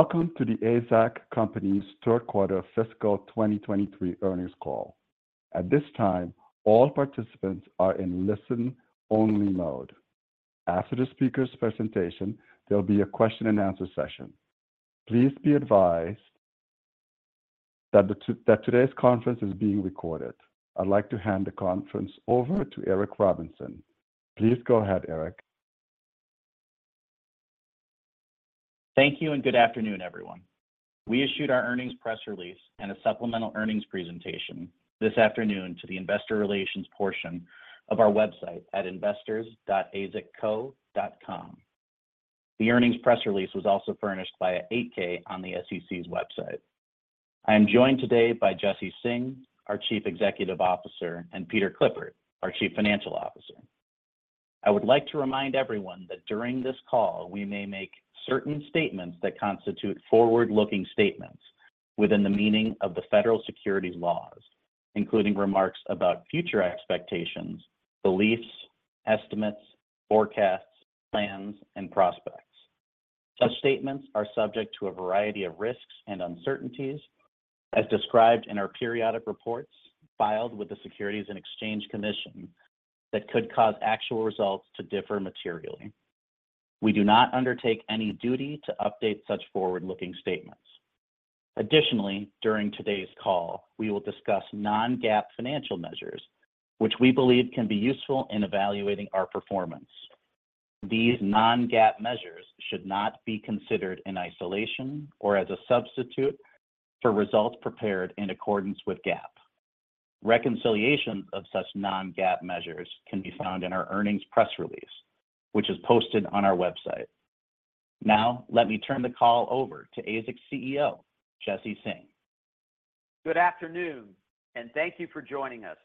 Welcome to The AZEK Company's Third Quarter Fiscal 2023 Earnings Call. At this time, all participants are in listen-only mode. After the speaker's presentation, there'll be a question-and-answer session. Please be advised that today's conference is being recorded. I'd like to hand the conference over to Eric Robinson. Please go ahead, Eric. Thank you, good afternoon, everyone. We issued our earnings press release and a supplemental earnings presentation this afternoon to the Investor Relations portion of our website at investors.azekco.com. The earnings press release was also furnished by an 8-K on the SEC's website. I am joined today by Jesse Singh, our Chief Executive Officer, and Peter Clifford, our Chief Financial Officer. I would like to remind everyone that during this call, we may make certain statements that constitute forward-looking statements within the meaning of the federal securities laws, including remarks about future expectations, beliefs, estimates, forecasts, plans, and prospects. Such statements are subject to a variety of risks and uncertainties as described in our periodic reports filed with the Securities and Exchange Commission, that could cause actual results to differ materially. We do not undertake any duty to update such forward-looking statements. Additionally, during today's call, we will discuss non-GAAP financial measures, which we believe can be useful in evaluating our performance. These non-GAAP measures should not be considered in isolation or as a substitute for results prepared in accordance with GAAP. Reconciliation of such non-GAAP measures can be found in our earnings press release, which is posted on our website. Now, let me turn the call over to AZEK's CEO, Jesse Singh. Good afternoon, thank you for joining us.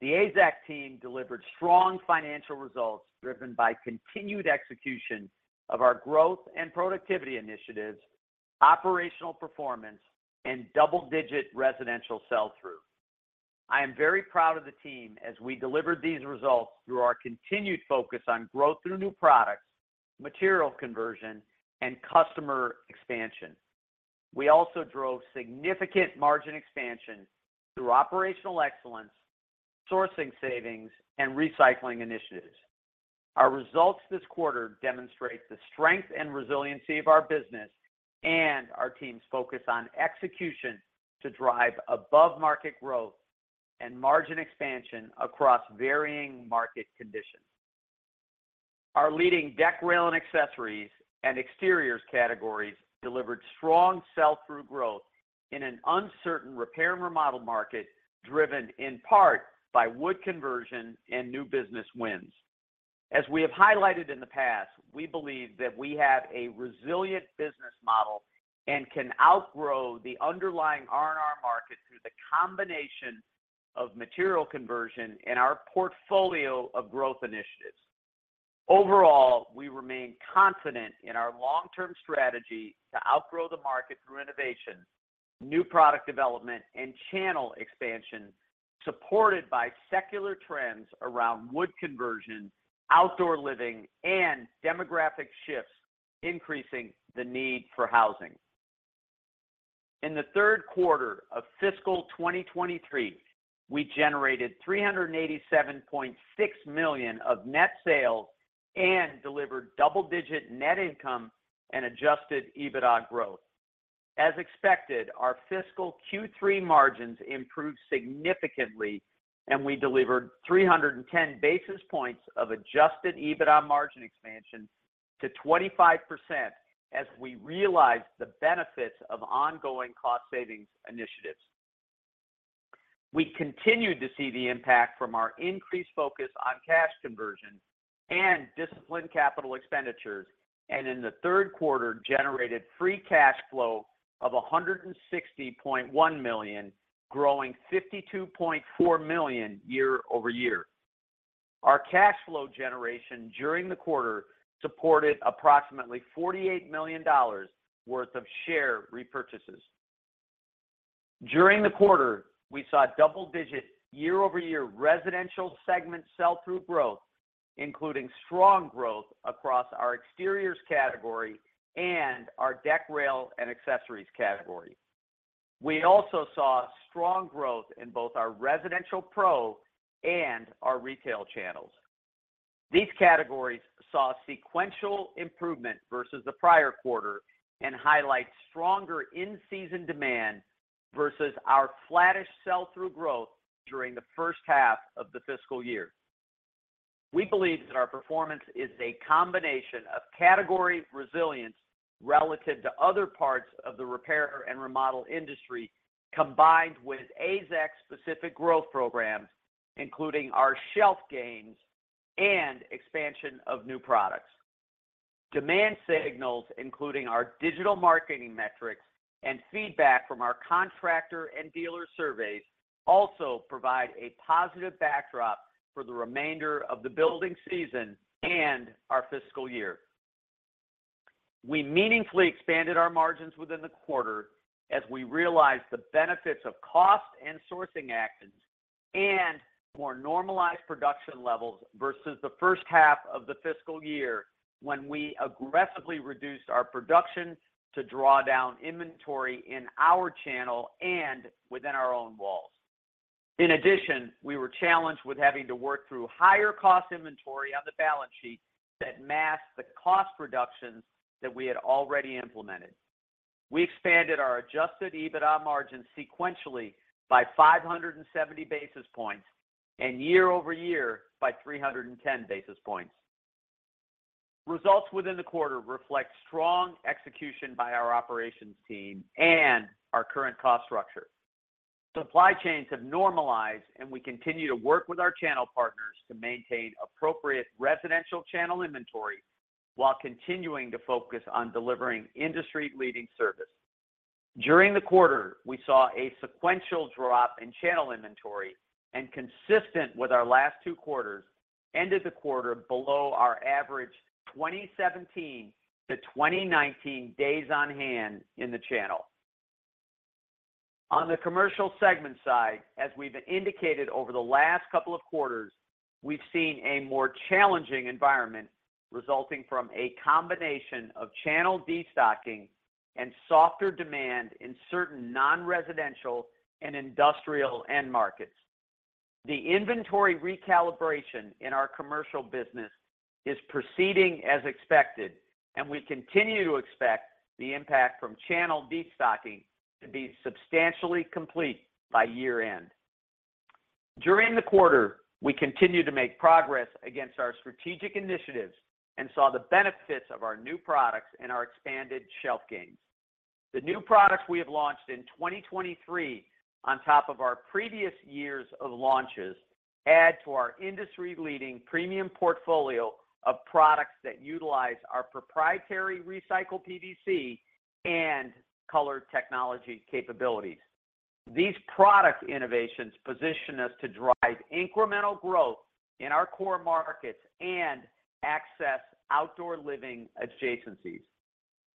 The AZEK team delivered strong financial results, driven by continued execution of our growth and productivity initiatives, operational performance, and double-digit residential sell-through. I am very proud of the team as we delivered these results through our continued focus on growth through new products, material conversion, and customer expansion. We also drove significant margin expansion through operational excellence, sourcing savings, and recycling initiatives. Our results this quarter demonstrate the strength and resiliency of our business and our team's focus on execution to drive above-market growth and margin expansion across varying market conditions. Our leading deck, rail, and accessories and Exteriors categories delivered strong sell-through growth in an uncertain repair and remodel market, driven in part by wood conversion and new business wins. As we have highlighted in the past, we believe that we have a resilient business model and can outgrow the underlying R&R market through the combination of material conversion and our portfolio of growth initiatives. Overall, we remain confident in our long-term strategy to outgrow the market through innovation, new product development, and channel expansion, supported by secular trends around wood conversion, outdoor living, and demographic shifts, increasing the need for housing. In the third quarter of fiscal 2023, we generated $387.6 million of net sales and delivered double-digit net income and Adjusted EBITDA growth. As expected, our fiscal Q3 margins improved significantly, and we delivered 310 basis points of Adjusted EBITDA margin expansion to 25% as we realized the benefits of ongoing cost savings initiatives. We continued to see the impact from our increased focus on cash conversion and disciplined capital expenditures. In the third quarter, generated free cash flow of $160.1 million, growing $52.4 million year-over-year. Our cash flow generation during the quarter supported approximately $48 million worth of share repurchases. During the quarter, we saw double-digit year-over-year residential segment sell-through growth, including strong growth across our Exteriors category and our deck, rail, and accessories category. We also saw strong growth in both our Residential Pro and our retail channels. These categories saw sequential improvement versus the prior quarter and highlight stronger in-season demand versus our flattish sell-through growth during the first half of the fiscal year. We believe that our performance is a combination of category resilience relative to other parts of the repair and remodel industry, combined with AZEK's specific growth programs, including our shelf gains and expansion of new products. Demand signals, including our digital marketing metrics and feedback from our contractor and dealer surveys, also provide a positive backdrop for the remainder of the building season and our fiscal year. We meaningfully expanded our margins within the quarter as we realized the benefits of cost and sourcing actions, and more normalized production levels versus the first half of the fiscal year, when we aggressively reduced our production to draw down inventory in our channel and within our own walls. In addition, we were challenged with having to work through higher cost inventory on the balance sheet that masked the cost reductions that we had already implemented. We expanded our Adjusted EBITDA margin sequentially by 570 basis points, year-over-year by 310 basis points. Results within the quarter reflect strong execution by our operations team and our current cost structure. Supply chains have normalized. We continue to work with our channel partners to maintain appropriate residential channel inventory while continuing to focus on delivering industry-leading service. During the quarter, we saw a sequential drop in channel inventory. Consistent with our last two quarters, ended the quarter below our average 2017 to 2019 days on hand in the channel. On the Commercial segment side, as we've indicated over the last couple of quarters, we've seen a more challenging environment resulting from a combination of channel destocking and softer demand in certain non-residential and industrial end markets. The inventory recalibration in our commercial business is proceeding as expected, and we continue to expect the impact from channel destocking to be substantially complete by year-end. During the quarter, we continued to make progress against our strategic initiatives and saw the benefits of our new products and our expanded shelf gains. The new products we have launched in 2023, on top of our previous years of launches, add to our industry-leading premium portfolio of products that utilize our proprietary recycled PVC and color technology capabilities. These product innovations position us to drive incremental growth in our core markets and access outdoor living adjacencies.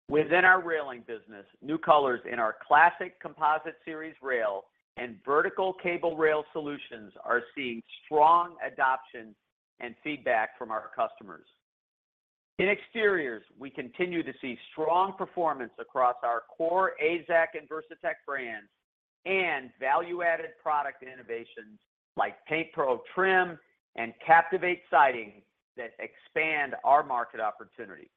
Within our railing business, new colors in our Classic Composite Series rail and vertical cable rail solutions are seeing strong adoption and feedback from our customers. In exteriors, we continue to see strong performance across our core AZEK and Versatex brands and value-added product innovations like PaintPro Trim and Captivate Siding that expand our market opportunity.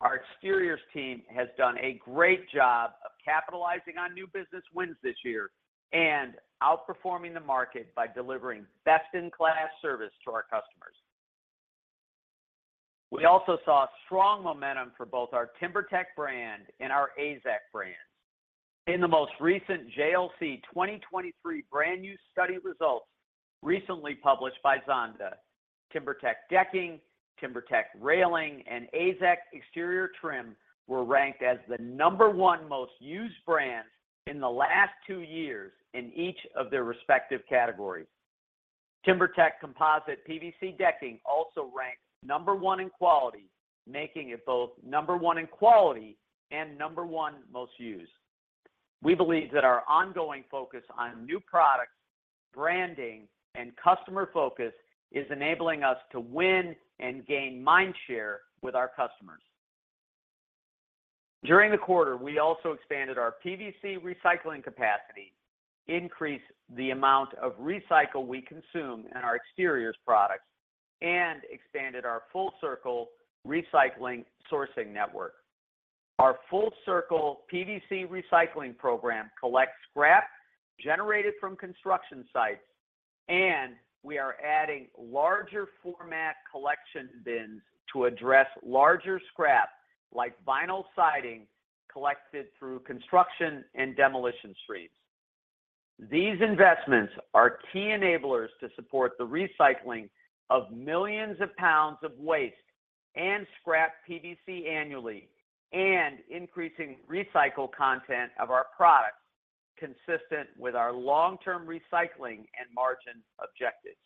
Our exteriors team has done a great job of capitalizing on new business wins this year and outperforming the market by delivering best-in-class service to our customers. We also saw strong momentum for both our TimberTech brand and our AZEK brand. In the most recent JLC 2023 Brand Use Study results, recently published by Zonda, TimberTech Decking, TimberTech Railing, and AZEK Exteriors trim were ranked as the number one most used brand in the last two years in each of their respective categories. TimberTech composite/PVC decking also ranks number one in quality, making it both number one in quality and number one most used. We believe that our ongoing focus on new products, branding, and customer focus is enabling us to win and gain mind share with our customers. During the quarter, we also expanded our PVC recycling capacity, increased the amount of recycle we consume in our exteriors products, and expanded our FULL-CIRCLE Recycling sourcing network. Our FULL-CIRCLE PVC Recycling program collects scrap generated from construction sites, and we are adding larger format collection bins to address larger scrap, like vinyl siding, collected through construction and demolition streams. These investments are key enablers to support the recycling of millions of pounds of waste and scrap PVC annually and increasing recycled content of our products, consistent with our long-term recycling and margin objectives.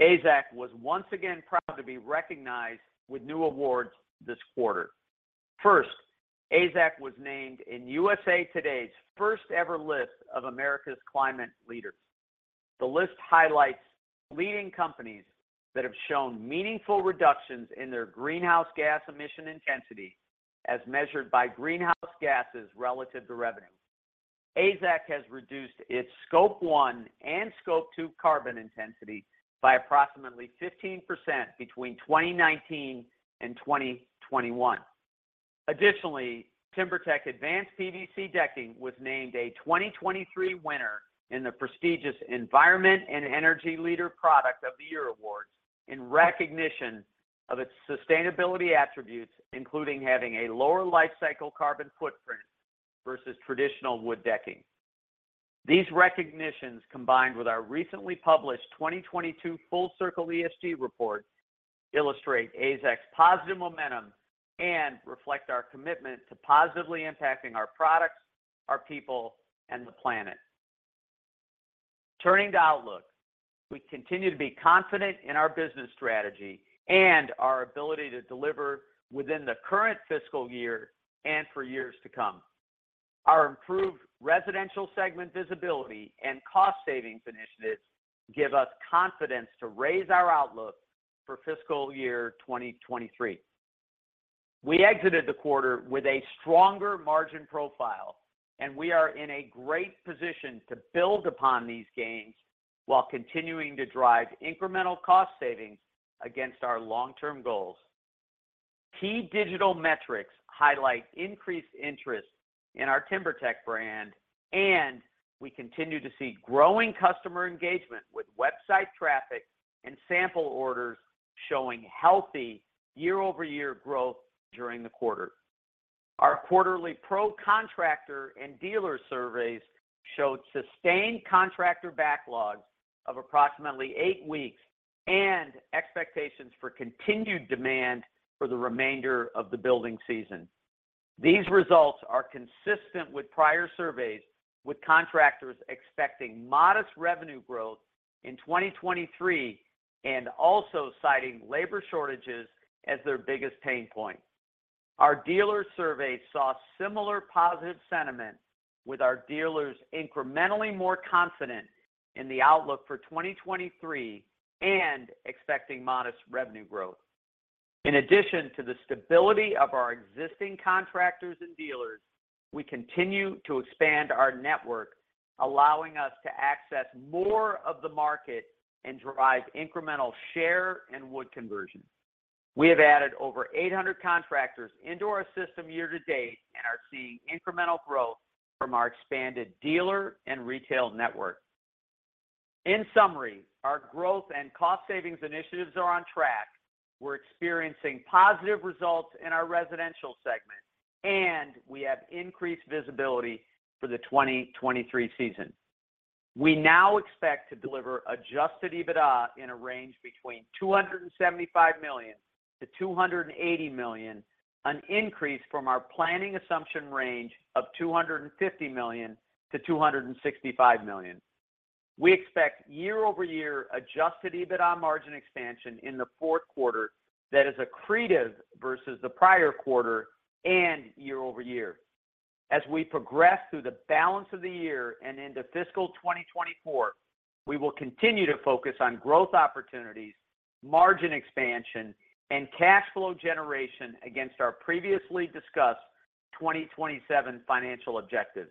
AZEK was once again proud to be recognized with new awards this quarter. First, AZEK was named in USA TODAY's first-ever list of America's Climate Leaders. The list highlights leading companies that have shown meaningful reductions in their greenhouse gas emission intensity, as measured by greenhouse gases relative to revenue. AZEK has reduced its Scope 1 and Scope 2 carbon intensity by approximately 15% between 2019 and 2021. TimberTech Advanced PVC Decking was named a 2023 winner in the prestigious Environment + Energy Leader Product of the Year Awards in recognition of its sustainability attributes, including having a lower life cycle carbon footprint versus traditional wood decking. These recognitions, combined with our recently published 2022 FULL-CIRCLE ESG Report, illustrate AZEK's positive momentum and reflect our commitment to positively impacting our products, our people, and the planet. Turning to outlook, we continue to be confident in our business strategy and our ability to deliver within the current fiscal year and for years to come. Our improved residential segment visibility and cost savings initiatives give us confidence to raise our outlook for fiscal year 2023. We exited the quarter with a stronger margin profile. We are in a great position to build upon these gains while continuing to drive incremental cost savings against our long-term goals. Key digital metrics highlight increased interest in our TimberTech brand. We continue to see growing customer engagement, with website traffic and sample orders showing healthy year-over-year growth during the quarter. Our quarterly pro contractor and dealer surveys showed sustained contractor backlogs of approximately eight weeks and expectations for continued demand for the remainder of the building season. These results are consistent with prior surveys, with contractors expecting modest revenue growth in 2023 and also citing labor shortages as their biggest pain point. Our dealer survey saw similar positive sentiment, with our dealers incrementally more confident in the outlook for 2023 and expecting modest revenue growth. In addition to the stability of our existing contractors and dealers, we continue to expand our network, allowing us to access more of the market and drive incremental share and wood conversion. We have added over 800 contractors into our system year-to-date and are seeing incremental growth from our expanded dealer and retail network. In summary, our growth and cost savings initiatives are on track. We're experiencing positive results in our residential segment, and we have increased visibility for the 2023 season. We now expect to deliver Adjusted EBITDA in a range between $275 million-$280 million, an increase from our planning assumption range of $250 million-$265 million. We expect year-over-year Adjusted EBITDA margin expansion in the fourth quarter that is accretive versus the prior quarter and year-over-year. As we progress through the balance of the year and into fiscal 2024, we will continue to focus on growth opportunities, margin expansion, and cash flow generation against our previously discussed 2027 financial objectives.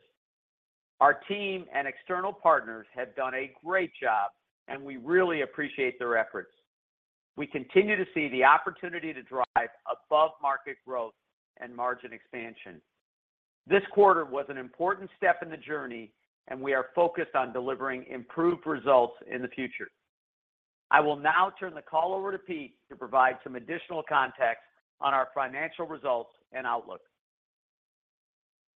Our team and external partners have done a great job, and we really appreciate their efforts. We continue to see the opportunity to drive above-market growth and margin expansion. This quarter was an important step in the journey, and we are focused on delivering improved results in the future. I will now turn the call over to Pete to provide some additional context on our financial results and outlook.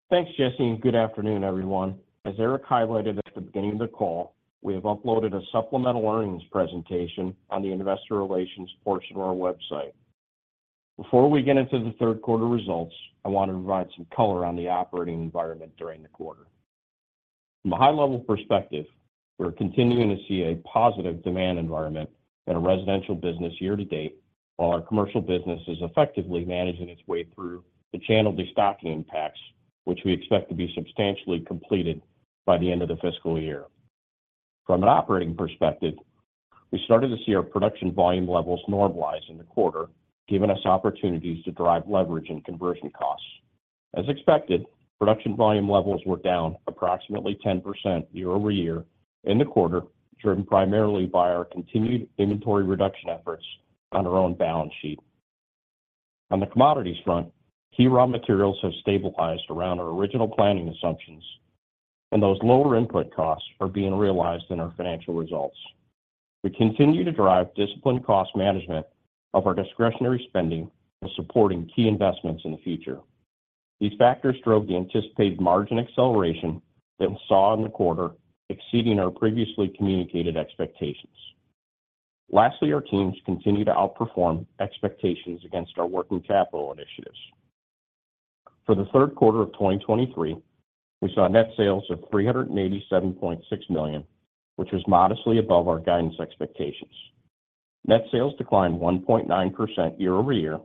Thanks, Jesse, and good afternoon, everyone. As Eric highlighted at the beginning of the call, we have uploaded a supplemental earnings presentation on the Investor Relations portion of our website. Before we get into the third quarter results, I want to provide some color on the operating environment during the quarter. From a high-level perspective, we're continuing to see a positive demand environment in our residential business year-to-date, while our commercial business is effectively managing its way through the channel destocking impacts, which we expect to be substantially completed by the end of the fiscal year. From an operating perspective, we started to see our production volume levels normalize in the quarter, giving us opportunities to drive leverage and conversion costs. As expected, production volume levels were down approximately 10% year-over-year in the quarter, driven primarily by our continued inventory reduction efforts on our own balance sheet. On the commodities front, key raw materials have stabilized around our original planning assumptions, and those lower input costs are being realized in our financial results. We continue to drive disciplined cost management of our discretionary spending while supporting key investments in the future. These factors drove the anticipated margin acceleration that we saw in the quarter, exceeding our previously communicated expectations. Lastly, our teams continue to outperform expectations against our working capital initiatives. For the third quarter of 2023, we saw net sales of $387.6 million, which was modestly above our guidance expectations. Net sales declined 1.9% year-over-year.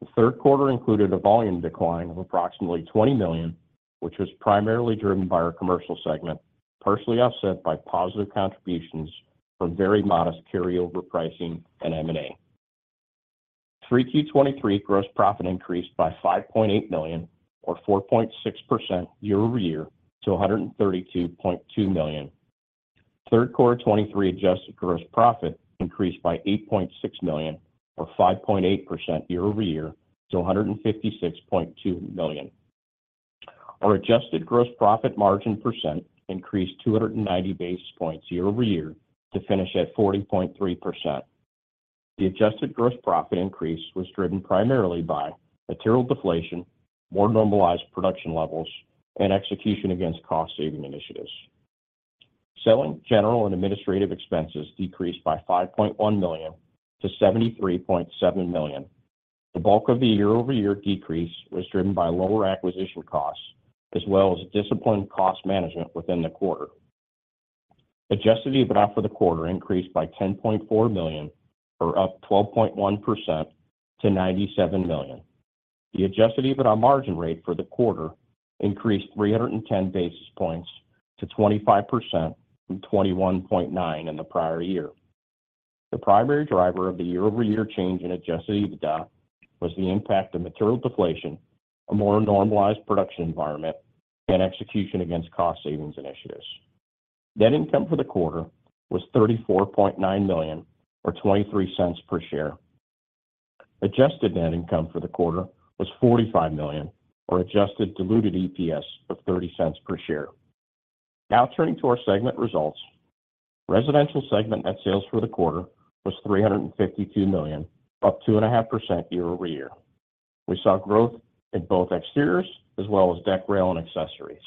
The third quarter included a volume decline of approximately $20 million, which was primarily driven by our commercial segment, partially offset by positive contributions from very modest carryover pricing and M&A. Q3 2023 gross profit increased by $5.8 million or 4.6% year-over-year to $132.2 million. Third quarter 2023 adjusted gross profit increased by $8.6 million or 5.8% year-over-year to $156.2 million. Our adjusted gross profit margin % increased 290 basis points year-over-year to finish at 40.3%. The adjusted gross profit increase was driven primarily by material deflation, more normalized production levels, and execution against cost-saving initiatives. Selling, general, and administrative expenses decreased by $5.1 million to $73.7 million. The bulk of the year-over-year decrease was driven by lower acquisition costs, as well as disciplined cost management within the quarter. Adjusted EBITDA for the quarter increased by $10.4 million, or up 12.1% to $97 million. The Adjusted EBITDA margin rate for the quarter increased 310 basis points to 25% from 21.9% in the prior year. The primary driver of the year-over-year change in Adjusted EBITDA was the impact of material deflation, a more normalized production environment, and execution against cost savings initiatives. Net income for the quarter was $34.9 million, or $0.23 per share. Adjusted net income for the quarter was $45 million, or adjusted diluted EPS of $0.30 per share. Turning to our segment results. Residential segment net sales for the quarter was $352 million, up 2.5% year-over-year. We saw growth in both exteriors as well as deck, rail, and accessories.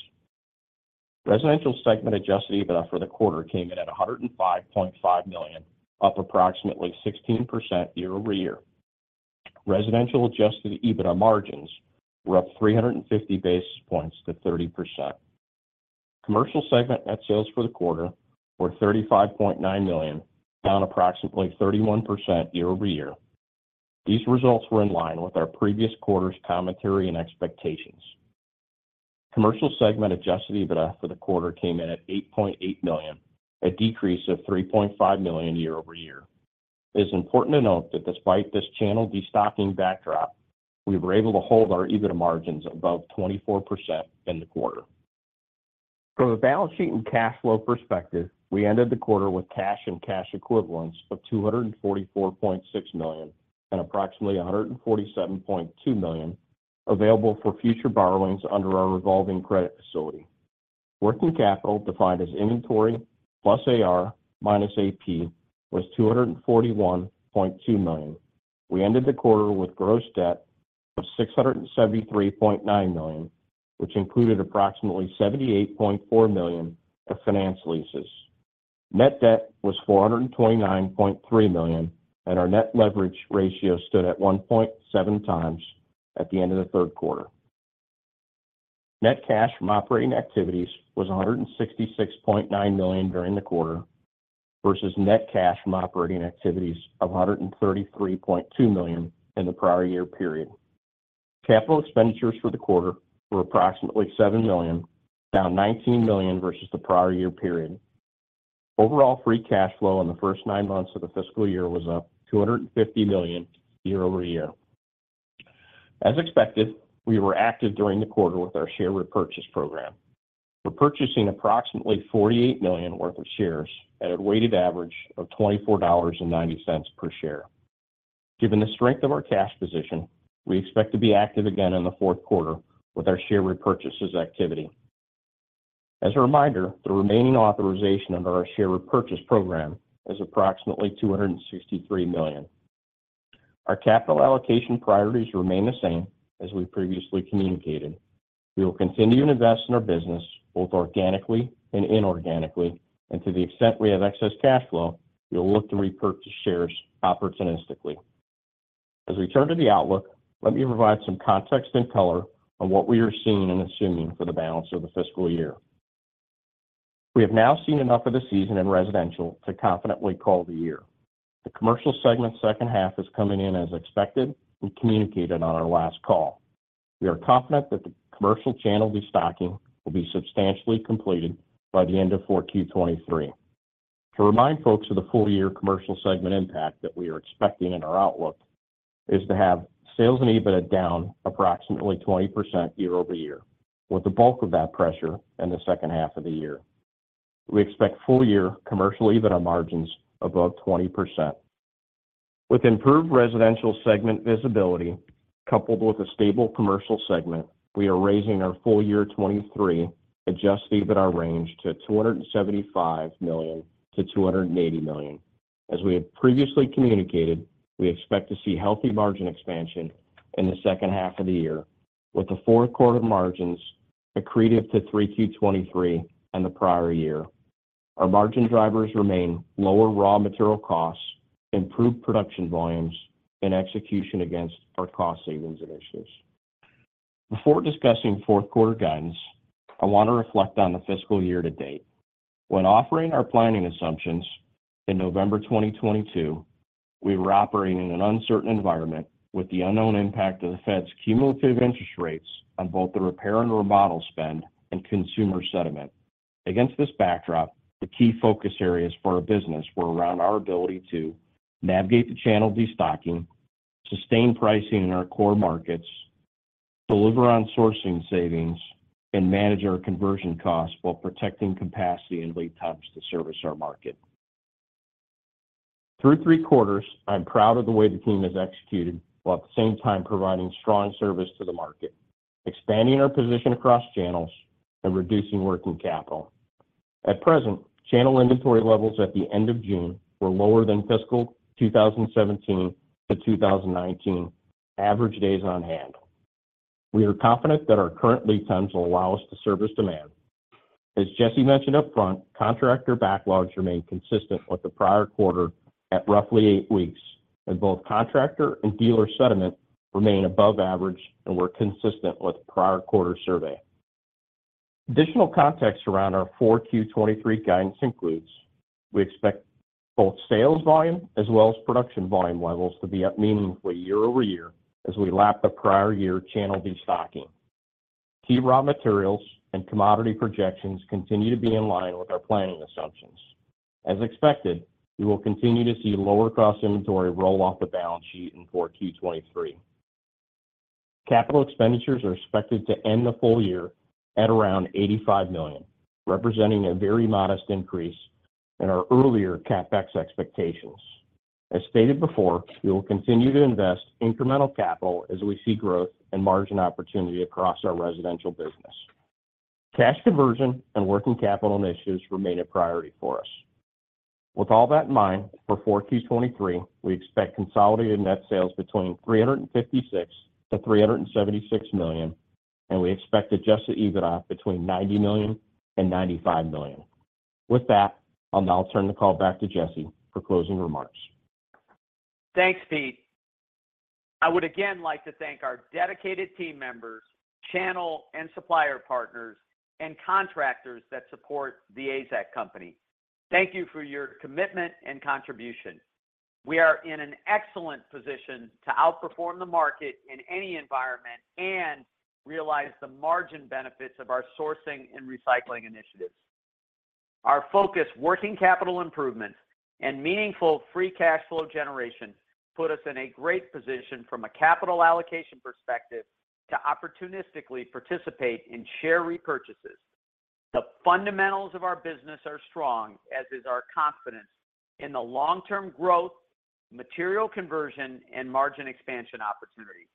Residential segment Adjusted EBITDA for the quarter came in at $105.5 million, up approximately 16% year-over-year. Residential Adjusted EBITDA margins were up 350 basis points to 30%. Commercial segment net sales for the quarter were $35.9 million, down approximately 31% year-over-year. These results were in line with our previous quarter's commentary and expectations. Commercial segment Adjusted EBITDA for the quarter came in at $8.8 million, a decrease of $3.5 million year-over-year. It is important to note that despite this channel destocking backdrop, we were able to hold our Adjusted EBITDA margins above 24% in the quarter. From a balance sheet and cash flow perspective, we ended the quarter with cash and cash equivalents of $244.6 million, and approximately $147.2 million available for future borrowings under our revolving credit facility. Working capital, defined as inventory plus AR minus AP, was $241.2 million. We ended the quarter with gross debt of $673.9 million, which included approximately $78.4 million of finance leases. Net debt was $429.3 million, and our net leverage ratio stood at 1.7x at the end of the third quarter. Net cash from operating activities was $166.9 million during the quarter, versus net cash from operating activities of $133.2 million in the prior year period. Capital expenditures for the quarter were approximately $7 million, down $19 million versus the prior year period. Overall, free cash flow in the first nine months of the fiscal year was up $250 million year-over-year. As expected, we were active during the quarter with our share repurchase program. We're purchasing approximately $48 million worth of shares at a weighted average of $24.90 per share. Given the strength of our cash position, we expect to be active again in the fourth quarter with our share repurchases activity. As a reminder, the remaining authorization under our share repurchase program is approximately $263 million. Our capital allocation priorities remain the same as we previously communicated. We will continue to invest in our business, both organically and inorganically, and to the extent we have excess cash flow, we will look to repurchase shares opportunistically. We turn to the outlook, let me provide some context and color on what we are seeing and assuming for the balance of the fiscal year. We have now seen enough of the season in residential to confidently call the year. The commercial segment second half is coming in as expected and communicated on our last call. We are confident that the commercial channel destocking will be substantially completed by the end of 4Q 2023. To remind folks of the full year Commercial segment impact that we are expecting in our outlook, is to have sales and EBITDA down approximately 20% year-over-year, with the bulk of that pressure in the second half of the year. We expect full year Commercial EBITDA margins above 20%. With improved Residential segment visibility, coupled with a stable Commercial segment, we are raising our full year 2023 Adjusted EBITDA range to $275 million-$280 million. As we have previously communicated, we expect to see healthy margin expansion in the second half of the year, with the fourth quarter margins accretive to 3Q 2023 and the prior year. Our margin drivers remain lower raw material costs, improved production volumes, and execution against our cost savings initiatives. Before discussing fourth quarter guidance, I want to reflect on the fiscal year-to-date. When offering our planning assumptions in November 2022, we were operating in an uncertain environment with the unknown impact of the Fed's cumulative interest rates on both the repair and remodel spend and consumer sentiment. Against this backdrop, the key focus areas for our business were around our ability to navigate the channel destocking, sustain pricing in our core markets, deliver on sourcing savings, and manage our conversion costs while protecting capacity and lead times to service our market. Through three quarters, I'm proud of the way the team has executed, while at the same time providing strong service to the market, expanding our position across channels and reducing working capital. At present, channel inventory levels at the end of June were lower than fiscal 2017 to 2019 average days on hand. We are confident that our current lead times will allow us to service demand. As Jesse mentioned upfront, contractor backlogs remain consistent with the prior quarter at roughly eight weeks, as both contractor and dealer sentiment remain above average and were consistent with prior quarter survey. Additional context around our 4Q23 guidance includes: we expect both sales volume as well as production volume levels to be up meaningfully year-over-year as we lap the prior year channel destocking. Key raw materials and commodity projections continue to be in line with our planning assumptions. As expected, we will continue to see lower-cost inventory roll off the balance sheet in 4Q23. Capital expenditures are expected to end the full year at around $85 million, representing a very modest increase in our earlier CapEx expectations. As stated before, we will continue to invest incremental capital as we see growth and margin opportunity across our residential business. Cash conversion and working capital initiatives remain a priority for us. With all that in mind, for 4Q23, we expect consolidated net sales between $356 million-$376 million, and we expect Adjusted EBITDA between $90 million and $95 million. With that, I'll now turn the call back to Jesse for closing remarks. Thanks, Pete. I would again like to thank our dedicated team members, channel and supplier partners, and contractors that support The AZEK Company. Thank you for your commitment and contribution. We are in an excellent position to outperform the market in any environment and realize the margin benefits of our sourcing and recycling initiatives. Our focused working capital improvements and meaningful free cash flow generation put us in a great position from a capital allocation perspective to opportunistically participate in share repurchases. The fundamentals of our business are strong, as is our confidence in the long-term growth, material conversion, and margin expansion opportunity.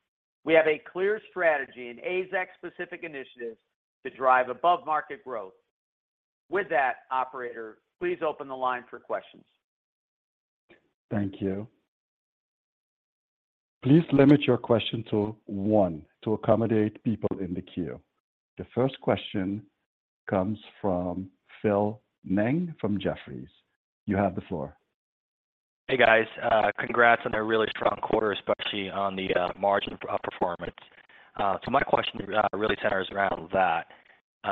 We have a clear strategy and AZEK-specific initiatives to drive above-market growth. With that, operator, please open the line for questions. Thank you. Please limit your question to one to accommodate people in the queue. The first question comes from Phil Ng from Jefferies. You have the floor. Hey, guys, congrats on a really strong quarter, especially on the margin performance. My question really centers around that.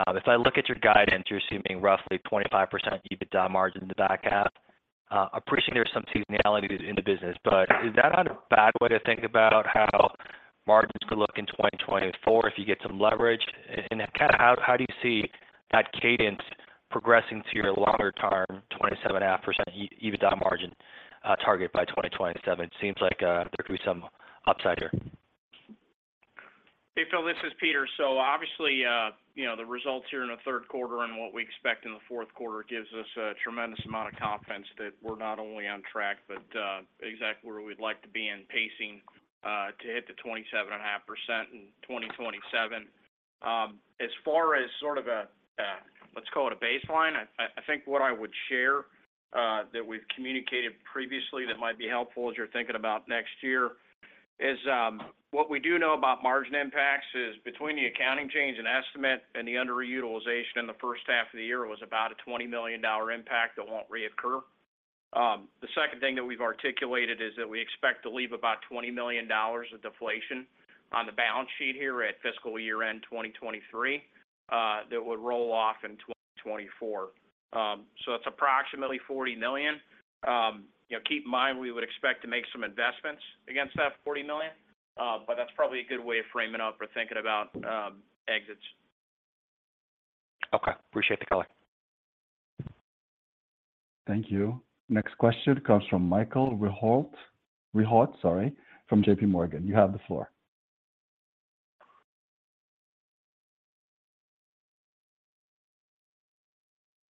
If I look at your guidance, you're assuming roughly 25% EBITDA margin in the back half. Appreciate there's some seasonality in the business, is that not a bad way to think about how margins could look in 2024 if you get some leverage? Kind of how do you see that cadence progressing to your longer-term, 27.5% EBITDA margin target by 2027? It seems like there could be some upside here. Hey, Phil, this is Peter. Obviously, you know, the results here in the third quarter and what we expect in the fourth quarter gives us a tremendous amount of confidence that we're not only on track, but exactly where we'd like to be in pacing to hit the 27.5% in 2027. As far as sort of a, let's call it a baseline, I think what I would share that we've communicated previously that might be helpful as you're thinking about next year, is what we do know about margin impacts is between the accounting change and estimate and the underutilization in the first half of the year was about a $20 million impact that won't reoccur. The second thing that we've articulated is that we expect to leave about $20 million of deflation on the balance sheet here at fiscal year end 2023, that would roll off in 2024. That's approximately $40 million. You know, keep in mind, we would expect to make some investments against that $40 million, but that's probably a good way of framing up or thinking about exits. Okay. Appreciate the color. Thank you. Next question comes from Michael Rehaut, sorry, from JPMorgan. You have the floor.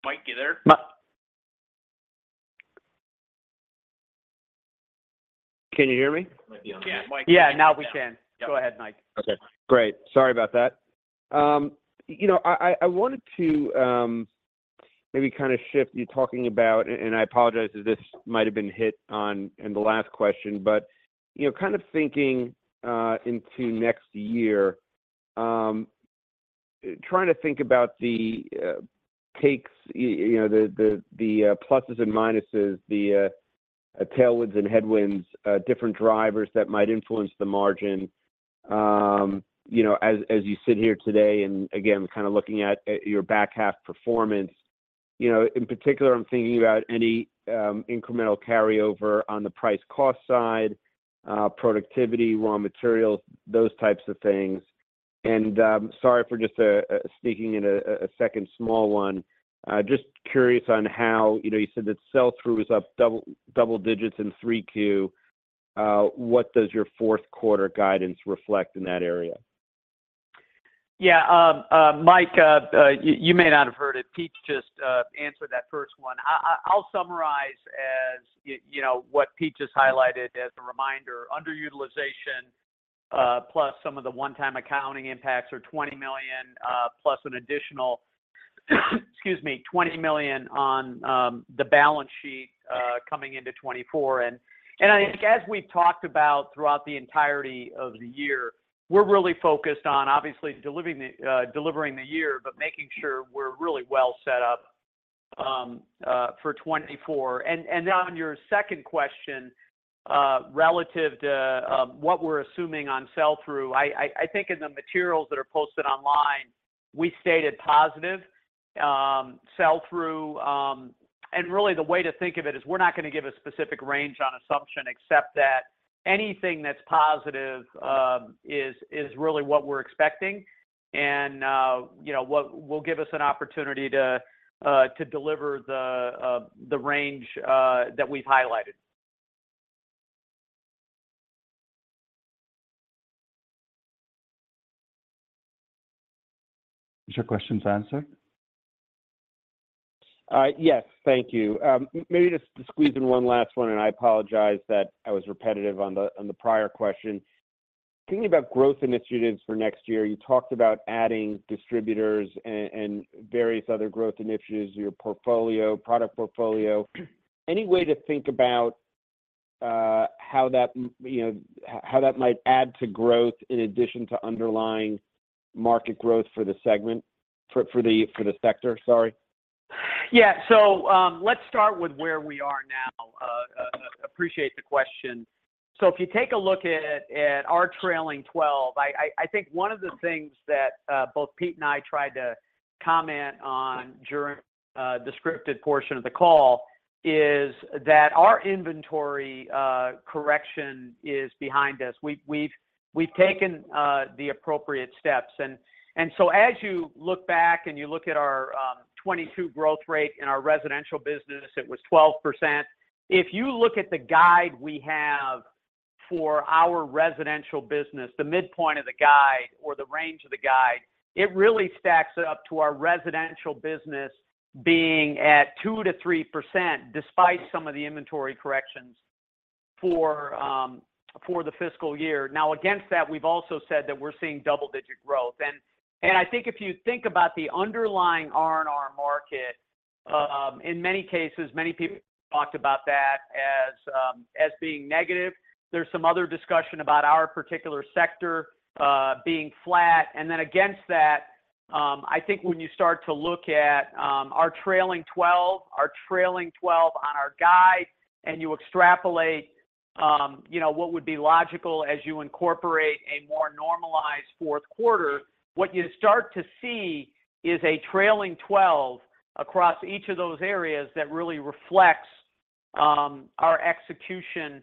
Mike, you there? Can you hear me? Might be on mute. Yeah, Mike. Yeah, now we can. Yeah. Go ahead, Mike. Okay, great. Sorry about that. You know, I wanted to, maybe kind of shift you talking about. I apologize if this might have been hit on in the last question, but, you know, kind of thinking into next year, trying to think about the takes, you know, the, pluses and minuses, the tailwinds and headwinds, different drivers that might influence the margin. You know, as you sit here today, and again, kind of looking at, at your back half performance, you know, in particular, I'm thinking about any incremental carryover on the price cost side, productivity, raw materials, those types of things. Sorry for just sneaking in a second small one. Just curious on how, you know, you said that sell-through is up double digits in 3Q. What does your fourth quarter guidance reflect in that area? Yeah, Mike, you may not have heard it. Pete just answered that first one. I'll summarize, as you know, what Pete just highlighted as a reminder. Underutilization, plus some of the one-time accounting impacts are $20 million on the balance sheet, coming into 2024. I think as we've talked about throughout the entirety of the year, we're really focused on obviously delivering the, delivering the year, but making sure we're really well set up for 2024. On your second question, relative to what we're assuming on sell-through, I think in the materials that are posted online, we stated positive sell-through. Really the way to think of it is we're not gonna give a specific range on assumption, except that anything that's positive, is really what we're expecting and, you know, what will give us an opportunity to deliver the range, that we've highlighted. Is your question answered? Yes. Thank you. Maybe just to squeeze in one last one, and I apologize that I was repetitive on the prior question. Thinking about growth initiatives for next year, you talked about adding distributors and various other growth initiatives, your portfolio, product portfolio. Any way to think about, how that, you know, how that might add to growth in addition to underlying market growth for the segment, for the sector? Sorry. Yeah. Let's start with where we are now. Appreciate the question. If you take a look at, at our trailing 12, I think one of the things that both Pete and I tried to comment on during the scripted portion of the call is that our inventory correction is behind us. We've taken the appropriate steps. As you look back and you look at our 2022 growth rate in our residential business, it was 12%. If you look at the guide we have for our residential business, the midpoint of the guide or the range of the guide, it really stacks up to our residential business being at 2%-3%, despite some of the inventory corrections for the fiscal year. Now, against that, we've also said that we're seeing double-digit growth. I think if you think about the underlying R&R market, in many cases, many people talked about that as being negative. There's some other discussion about our particular sector, being flat. Then against that, I think when you start to look at our trailing 12, our trailing 12 on our guide, and you extrapolate, you know, what would be logical as you incorporate a more normalized fourth quarter, what you start to see is a trailing 12 across each of those areas that really reflects our execution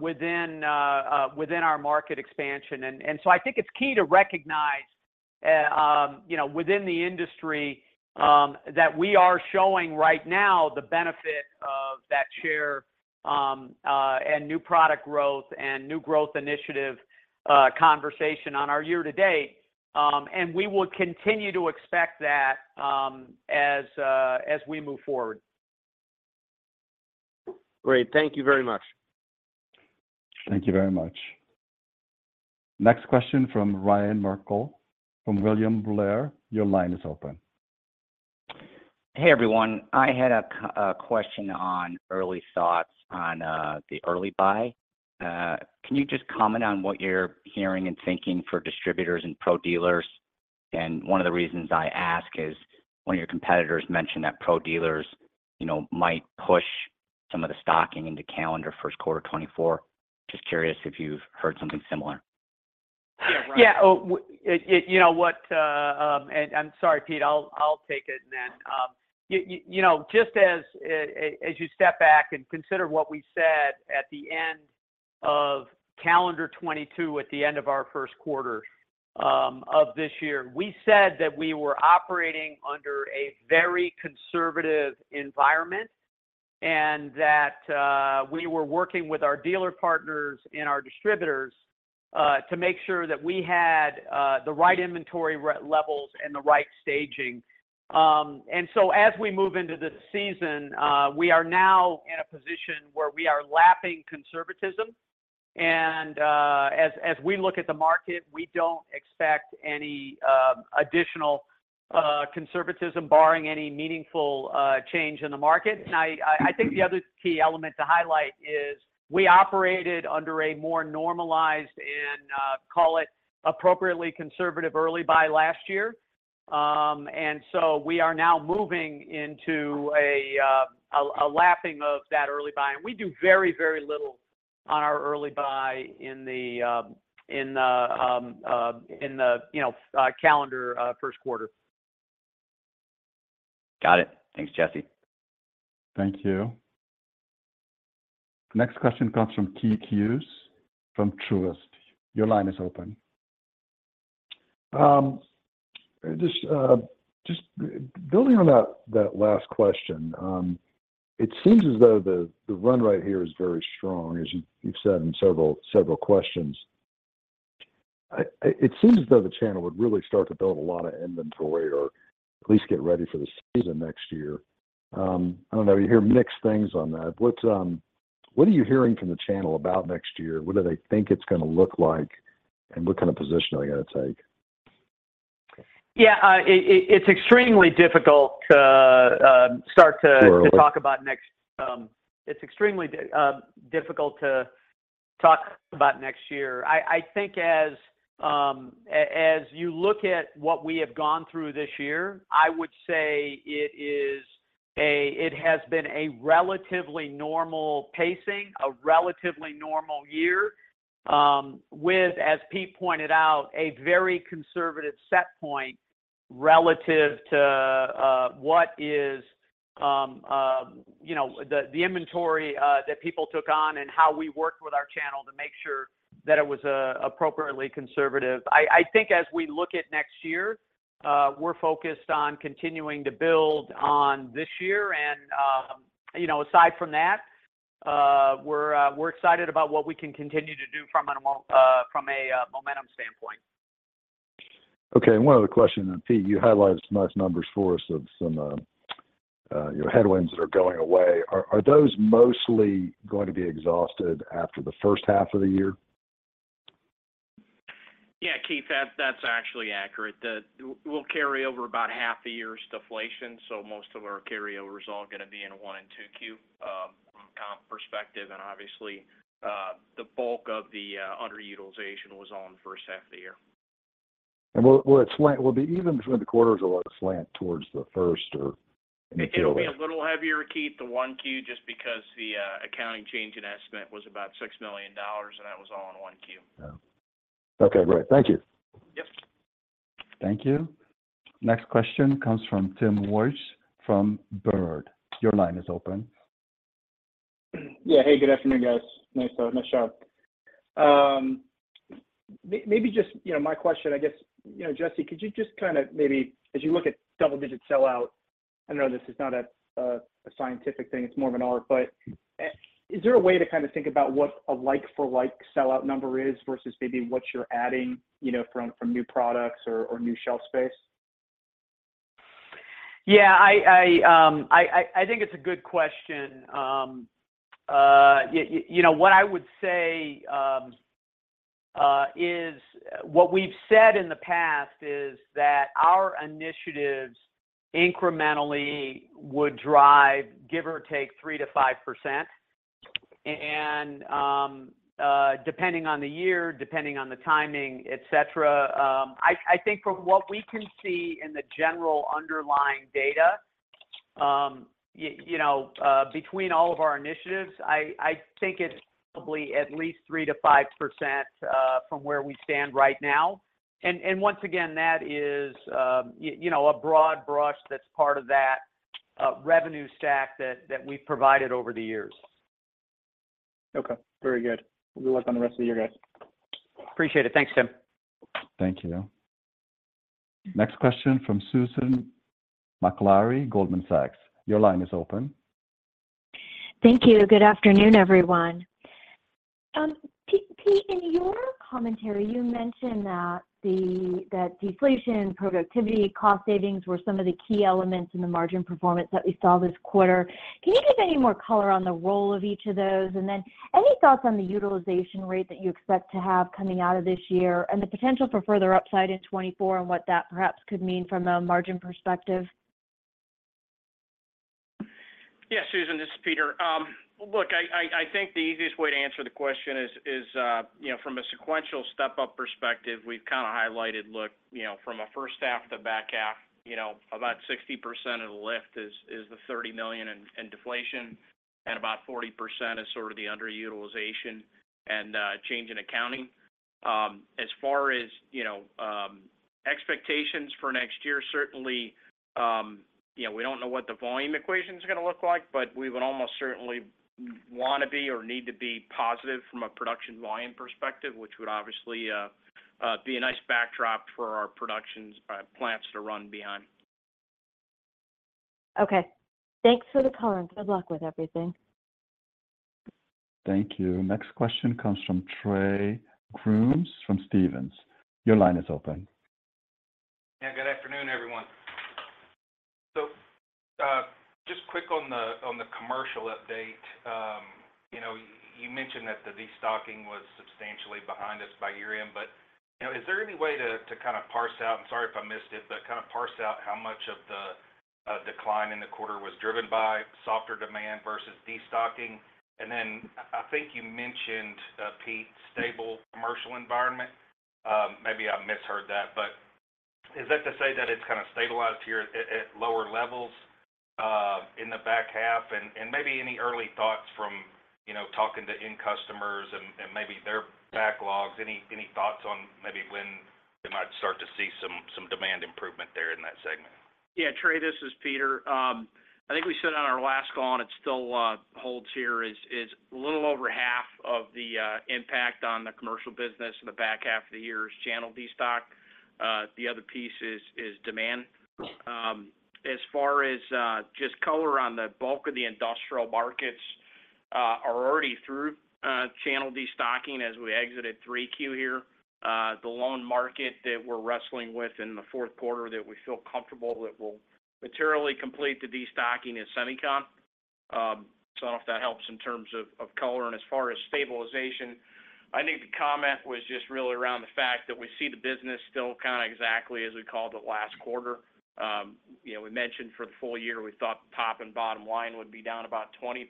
within our market expansion. I think it's key to recognize, you know, within the industry, that we are showing right now the benefit of that share, and new product growth and new growth initiative, conversation on our year-to-date. We will continue to expect that, as we move forward. Great. Thank you very much. Thank you very much. Next question from Ryan Merkel, from William Blair. Your line is open. Hey, everyone. I had a question on early thoughts on the early buy. Can you just comment on what you're hearing and thinking for distributors and pro dealers? One of the reasons I ask is, one of your competitors mentioned that pro dealers, you know, might push some of the stocking into calendar first quarter 2024. Just curious if you've heard something similar. Yeah. Oh, you know what? I'm sorry, Pete, I'll take it then. You know, just as you step back and consider what we said at the end of calendar 2022, at the end of our first quarter of this year, we said that we were operating under a very conservative environment, and that we were working with our dealer partners and our distributors to make sure that we had the right inventory levels and the right staging. As we move into the season, we are now in a position where we are lapping conservatism, and as we look at the market, we don't expect any additional conservatism, barring any meaningful change in the market. I think the other key element to highlight is we operated under a more normalized and, call it appropriately conservative early buy last year. So we are now moving into a lapping of that early buy. We do very, very little on our early buy in the, you know, calendar, first quarter. Got it. Thanks, Jesse. Thank you. Next question comes from Keith Hughes, from Truist. Your line is open. Just building on that last question, it seems as though the run right here is very strong, as you, you've said in several questions. It seems as though the channel would really start to build a lot of inventory or at least get ready for the season next year. I don't know, you hear mixed things on that. What are you hearing from the channel about next year? What do they think it's gonna look like? What kind of position are we gonna take? Yeah, it's extremely difficult to talk about next year. I think as you look at what we have gone through this year, I would say it is it has been a relatively normal pacing, a relatively normal year, with, as Pete pointed out, a very conservative set point relative to what is, you know, the, the inventory that people took on, and how we worked with our channel to make sure that it was appropriately conservative. I think as we look at next year, we're focused on continuing to build on this year. You know, aside from that, we're excited about what we can continue to do from a momentum standpoint. Okay, one other question. Peter, you highlighted some nice numbers for us of some, you know, headwinds that are going away. Are those mostly going to be exhausted after the first half of the year? Yeah, Keith, that's, that's actually accurate. We'll carry over about half a year's deflation, so most of our carryover is all gonna be in 1Q and 2Q, comp perspective. Obviously, the bulk of the underutilization was all in the first half of the year. Will be even between the quarters or will it slant towards the first? It'll be a little heavier, Keith, the 1Q, just because the accounting change in estimate was about $6 million. That was all in 1Q. Yeah. Okay, great. Thank you. Yep. Thank you. Next question comes from Tim Wojs from Baird. Your line is open. Yeah. Hey, good afternoon, guys. Nice, nice job. Maybe just, you know, my question, I guess, you know, Jesse, could you just kind of maybe, as you look at double-digit sellout, I know this is not a, a scientific thing, it's more of an art, but is there a way to kind of think about what a like-for-like sellout number is versus maybe what you're adding, you know, from, from new products or, or new shelf space? Yeah, I think it's a good question. You know, what I would say is what we've said in the past is that our initiatives incrementally would drive, give or take, 3%-5%. Depending on the year, depending on the timing, et cetera, I think from what we can see in the general underlying data, you know, between all of our initiatives, I think it's probably at least 3%-5% from where we stand right now. Once again, that is, you know, a broad brush that's part of that revenue stack that we've provided over the years. Okay, very good. Good luck on the rest of the year, guys. Appreciate it. Thanks, Tim. Thank you. Next question from Susan Maklari, Goldman Sachs. Your line is open. Thank you. Good afternoon, everyone. Pete, in your commentary, you mentioned that deflation, productivity, cost savings were some of the key elements in the margin performance that we saw this quarter. Can you give any more color on the role of each of those? Then, any thoughts on the utilization rate that you expect to have coming out of this year, and the potential for further upside in 2024, and what that perhaps could mean from a margin perspective? Yeah, Susan, this is Peter. Look, I think the easiest way to answer the question is, you know, from a sequential step-up perspective, we've kind of highlighted, look, you know, from a first half to back half, you know, about 60% of the lift is the $30 million in deflation, and about 40% is sort of the underutilization and change in accounting. As far as, you know, expectations for next year, certainly, you know, we don't know what the volume equation is gonna look like, but we would almost certainly wanna be or need to be positive from a production volume perspective, which would obviously be a nice backdrop for our productions plants to run behind. Okay. Thanks for the color. Good luck with everything. Thank you. Next question comes from Trey Grooms from Stephens. Your line is open. Yeah, good afternoon, everyone. Just quick on the commercial update. You know, you mentioned that the destocking was substantially behind us by year-end, but, you know, is there any way to kind of parse out, and sorry if I missed it, but kind of parse out how much of the decline in the quarter was driven by softer demand versus destocking? I think you mentioned, Pete, stable commercial environment, maybe I misheard that. Is that to say that it's kind of stabilized here at lower levels in the back half? Maybe any early thoughts from, you know, talking to end customers and maybe their backlogs? Any thoughts on maybe when they might start to see some demand improvement there in that segment? Yeah, Trey, this is Peter. I think we said on our last call, and it still holds here, is a little over half of the impact on the commercial business in the back half of the year is channel destocking. The other piece is demand. As far as just color on the bulk of the industrial markets are already through channel destocking as we exited 3Q here. The lone market that we're wrestling with in the fourth quarter that we feel comfortable that will materially complete the destocking is semicond so if that helps in terms of color. As far as stabilization, I think the comment was just really around the fact that we see the business still kind of exactly as we called it last quarter. You know, we mentioned for the full year, we thought the top and bottom line would be down about 20%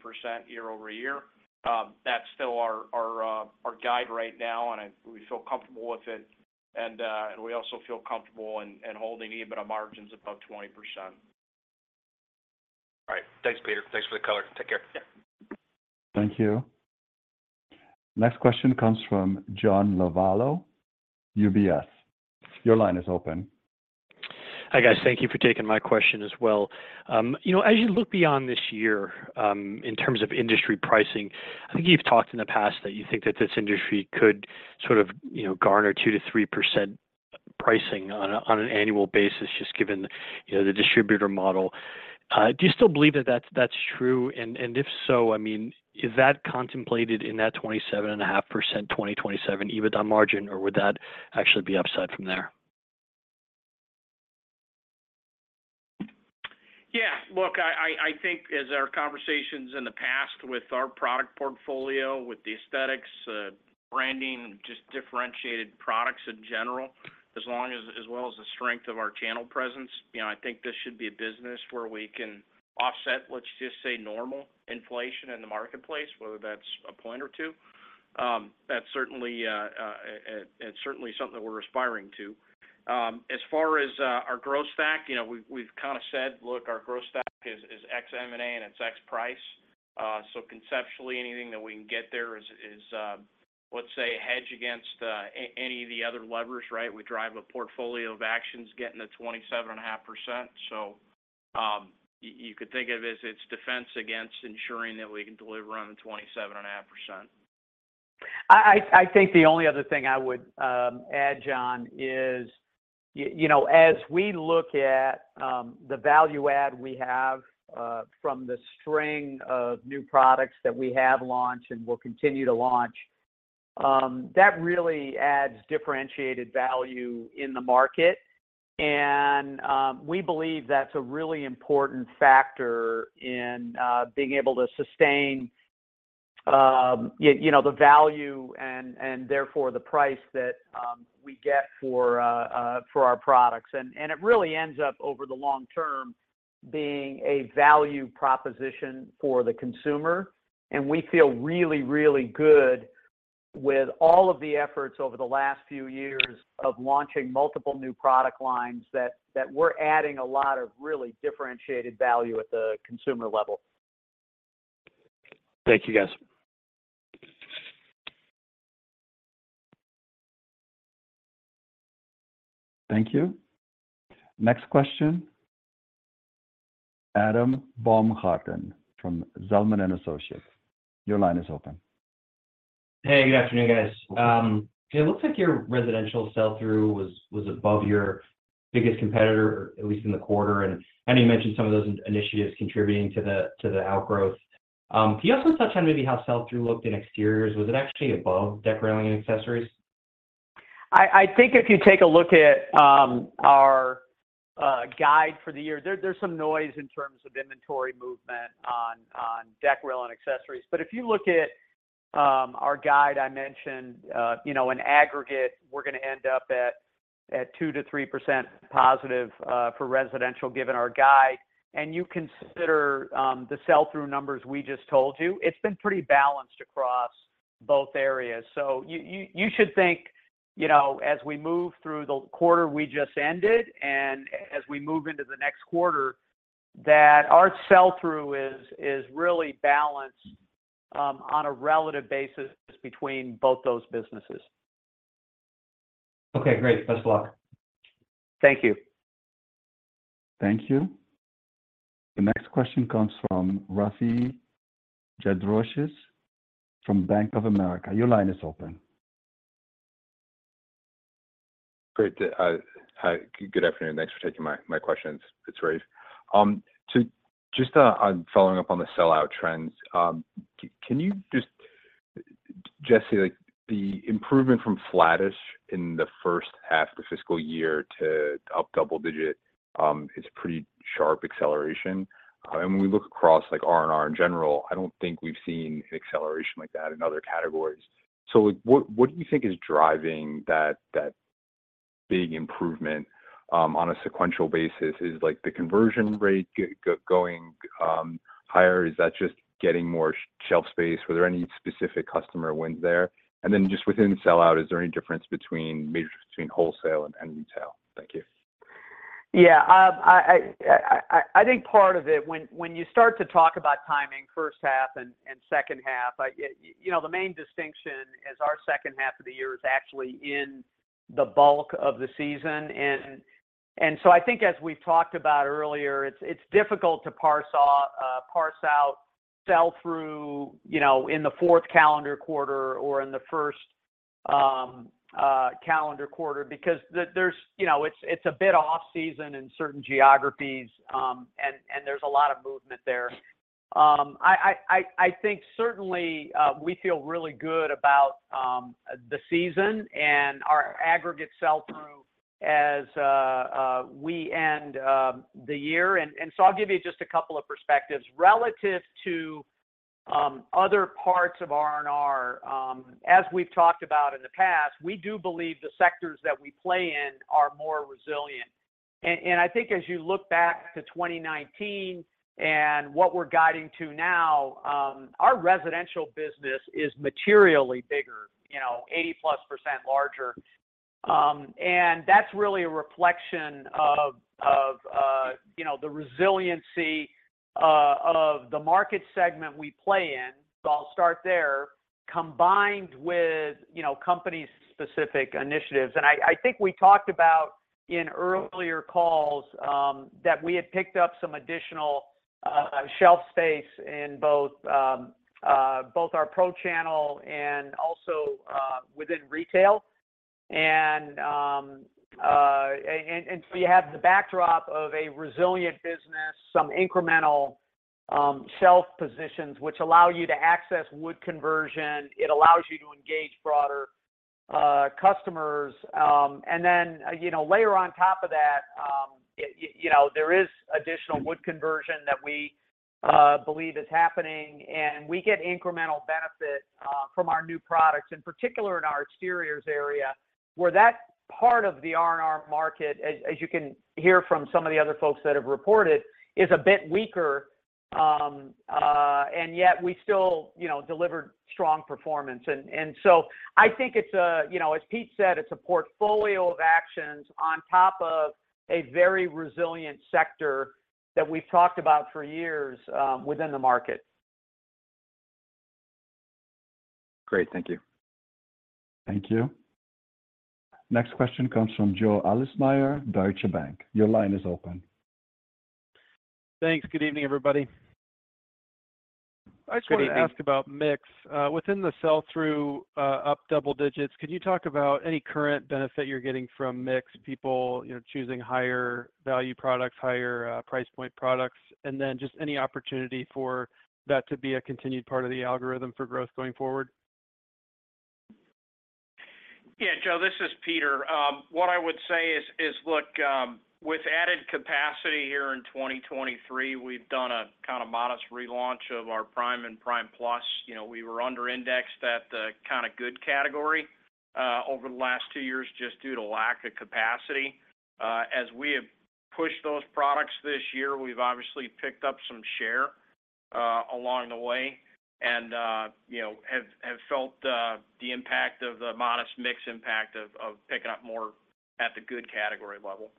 year-over-year. That's still our guide right now, we feel comfortable with it. We also feel comfortable in holding EBITDA margins above 20%. All right. Thanks, Peter. Thanks for the color. Take care. Yeah. Thank you. Next question comes from John Lovallo, UBS. Your line is open. Hi, guys. Thank you for taking my question as well. you know, as you look beyond this year, in terms of industry pricing, I think you've talked in the past that you think that this industry could sort of, you know, garner 2%-3% pricing on an annual basis, just given, you know, the distributor model. Do you still believe that that's true? If so, I mean, is that contemplated in that 27.5%, 2027 EBITDA margin, or would that actually be upside from there? Yeah, look, I think as our conversations in the past with our product portfolio, with the aesthetics, branding, just differentiated products in general, as well as the strength of our channel presence, you know, I think this should be a business where we can offset, let's just say, normal inflation in the marketplace, whether that's a point or two. That's certainly, it's certainly something we're aspiring to. As far as our growth stack, you know, we've kind of said, look, our growth stack is, is ex M&A, and it's ex price. Conceptually, anything that we can get there is, let's say, a hedge against any of the other levers, right? We drive a portfolio of actions getting to 27.5%. You, you could think of it as it's defense against ensuring that we can deliver on the 27.5%. I think the only other thing I would add, John, is, you know, as we look at the value add we have from the string of new products that we have launched and will continue to launch, that really adds differentiated value in the market. We believe that's a really important factor in being able to sustain, you know, the value and, and therefore, the price that we get for our products. It really ends up over the long term being a value proposition for the consumer. We feel really, really good with all of the efforts over the last few years of launching multiple new product lines that we're adding a lot of really differentiated value at the consumer level. Thank you, guys. Thank you. Next question, Adam Baumgarten from Zelman & Associates. Your line is open. Hey, good afternoon, guys. It looks like your residential sell-through was, was above your biggest competitor, or at least in the quarter. You mentioned some of those initiatives contributing to the, to the outgrowth. Can you also touch on maybe how sell-through looked in Exteriors? Was it actually above Deck, Rail, and Accessories? I think if you take a look at our guide for the year, there's some noise in terms of inventory movement on deck, rail, and accessories. If you look at our guide, I mentioned, you know, in aggregate, we're gonna end up at, at 2%-3% positive, for residential, given our guide. You consider, the sell-through numbers we just told you, it's been pretty balanced across both areas. You should think, you know, as we move through the quarter we just ended, and as we move into the next quarter, that our sell-through is, is really balanced, on a relative basis between both those businesses. Okay, great. Best of luck. Thank you. Thank you. The next question comes from Rafe Jadrosich from Bank of America. Your line is open. Great. Hi, good afternoon. Thanks for taking my, my questions. It's Rafi. Just, on following up on the sell-out trends, can you just, Jesse, like, the improvement from flattish in the first half of the fiscal year to up double-digit is pretty sharp acceleration. When we look across, like, R&R in general, I don't think we've seen an acceleration like that in other categories. Like, what do you think is driving that big improvement on a sequential basis? Is, like, the conversion rate going higher? Is that just getting more shelf space? Were there any specific customer wins there? Just within sell-out, is there any difference majors between wholesale and, and retail? Thank you. Yeah, I think part of it, when you start to talk about timing, first half and, and second half, I, you know, the main distinction is our second half of the year is actually in the bulk of the season. So I think as we talked about earlier, it's difficult to parse off, parse out, sell-through, you know, in the fourth calendar quarter or in the first calendar quarter, because there's, you know, it's a bit off season in certain geographies, and there's a lot of movement there. I think certainly, we feel really good about the season and our aggregate sell-through as we end the year. So I'll give you just a couple of perspectives. Relative to other parts of R&R, as we've talked about in the past, we do believe the sectors that we play in are more resilient. I think as you look back to 2019 and what we're guiding to now, our residential business is materially bigger, you know, 80%+ larger. That's really a reflection of, you know, the resiliency of the market segment we play in, so I'll start there, combined with, you know, company-specific initiatives. I think we talked about in earlier calls that we had picked up some additional shelf space in both, both our pro channel and also within retail. You have the backdrop of a resilient business, some incremental shelf positions, which allow you to access wood conversion. It allows you to engage broader, customers. You know, layer on top of that, you know, there is additional wood conversion that we believe is happening, and we get incremental benefit from our new products, in particular in our exteriors area, where that part of the R&R market, as, as you can hear from some of the other folks that have reported, is a bit weaker. We still, you know, delivered strong performance. I think it's a, you know, as Pete said, it's a portfolio of actions on top of a very resilient sector that we've talked about for years, within the market. Great. Thank you. Thank you. Next question comes from Joe Ahlersmeyer, Deutsche Bank. Your line is open. Thanks. Good evening, everybody. Good evening. I just wanted to ask about mix. Within the sell-through, up double digits, could you talk about any current benefit you're getting from mix, people, you know, choosing higher value products, higher, price point products? Then just any opportunity for that to be a continued part of the algorithm for growth going forward? Yeah, Joe, this is Peter. What I would say is, is, look, with added capacity here in 2023, we've done a kind of modest relaunch of our Prime and Prime Plus. You know, we were under indexed at the kind of good category over the last two years, just due to lack of capacity. As we have pushed those products this year, we've obviously picked up some share along the way and, you know, have, have felt the impact of the modest mix impact of picking up more at the good category level.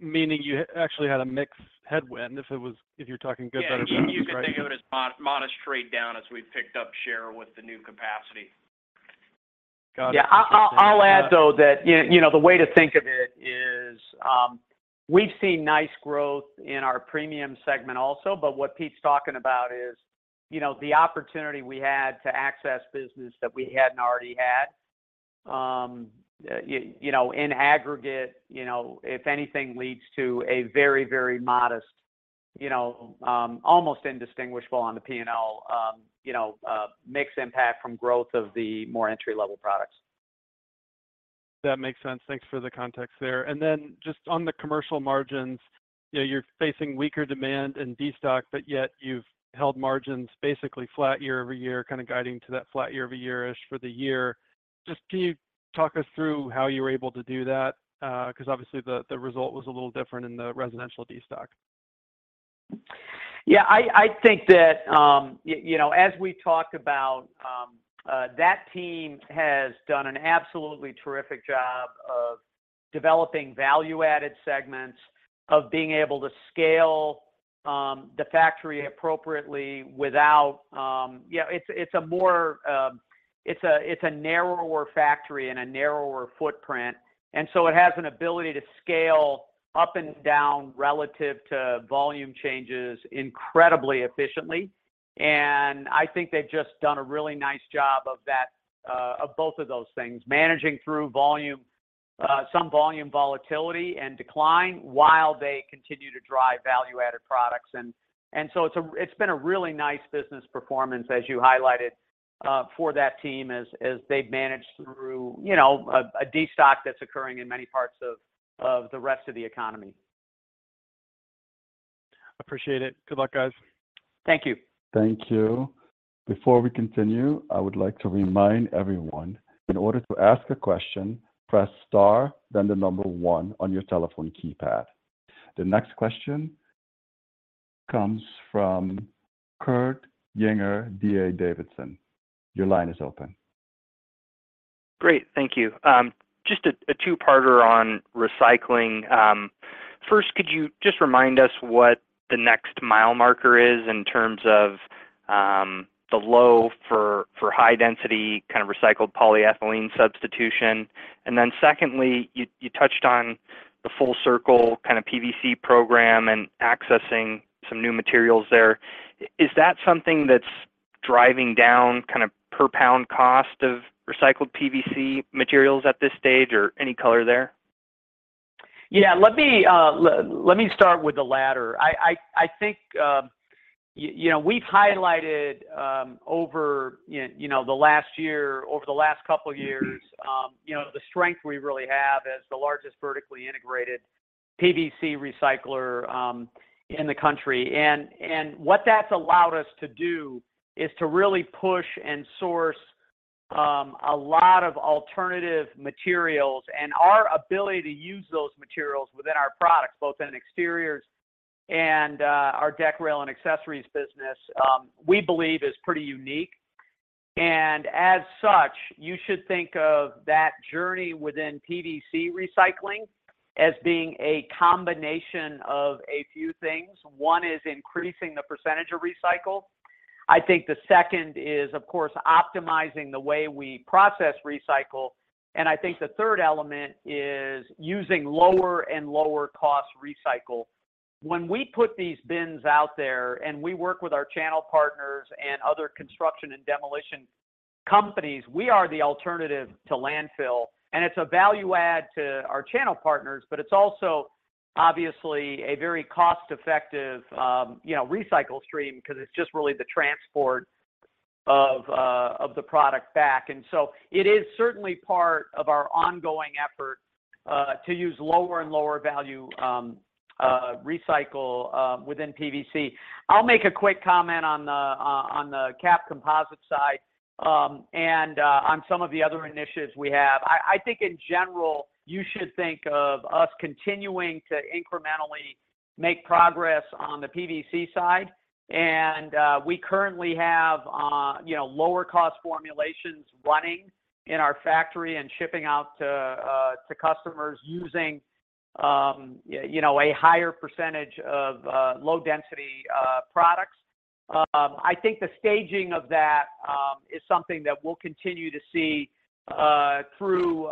Meaning you actually had a mix headwind, if you're talking good, better, best, right? Yeah. You can think of it as modest trade down as we picked up share with the new capacity. Got it. Yeah. I'll add, though, that, you know, the way to think of it is, we've seen nice growth in our premium segment also, but what Pete's talking about is, you know, the opportunity we had to access business that we hadn't already had. You know, in aggregate, you know, if anything leads to a very, very modest, you know, almost indistinguishable on the P&L, mix impact from growth of the more entry-level products. That makes sense. Thanks for the context there. Just on the commercial margins, you know, you're facing weaker demand in destock, but yet you've held margins basically flat year-over-year, kind of guiding to that flat year-over-year-ish for the year. Just can you talk us through how you were able to do that? Because obviously, the result was a little different in the residential destock. Yeah, I think that, you know, as we talked about, that team has done an absolutely terrific job of developing value-added segments, of being able to scale the factory appropriately without, yeah, it's a narrower factory and a narrower footprint, so it has an ability to scale up and down relative to volume changes incredibly efficiently. I think they've just done a really nice job of both of those things, managing through volume, some volume volatility and decline while they continue to drive value-added products. So it's been a really nice business performance, as you highlighted, for that team as they've managed through, you know, a destock that's occurring in many parts of the rest of the economy. Appreciate it. Good luck, guys. Thank you. Thank you. Before we continue, I would like to remind everyone, in order to ask a question, press star, then the number one on your telephone keypad. The next question comes from Kurt Yinger, D.A. Davidson. Your line is open. Great. Thank you. just a two-parter on recycling. First, could you just remind us what the next mile marker is in terms of the low for high density, kind of recycled polyethylene substitution? And then secondly, you, you touched on the full circle kind of PVC program and accessing some new materials there. Is that something that's driving down kind of per pound cost of recycled PVC materials at this stage, or any color there? Yeah, let me, let me start with the latter. I think, you know, we've highlighted, over, you know, the last year, over the last couple years, you know, the strength we really have as the largest vertically integrated PVC recycler, in the country. What that's allowed us to do is to really push and source, a lot of alternative materials, and our ability to use those materials within our products, both in Exteriors and our deck, rail, and accessories business, we believe is pretty unique. As such, you should think of that journey within PVC recycling as being a combination of a few things. One is increasing the percentage of recycle. I think the second is, of course, optimizing the way we process recycle, and I think the third element is using lower and lower cost recycle. When we put these bins out there, and we work with our channel partners and other construction and demolition companies, we are the alternative to landfill, and it's a value add to our channel partners, but it's also obviously a very cost-effective, you know, recycle stream because it's just really the transport of the product back. It is certainly part of our ongoing effort to use lower and lower value recycle within PVC. I'll make a quick comment on the on the cap composite side, and on some of the other initiatives we have. I, I think in general, you should think of us continuing to incrementally make progress on the PVC side. We currently have, you know, lower cost formulations running in our factory and shipping out to customers using, you know, a higher percentage of low density products. I think the staging of that is something that we'll continue to see through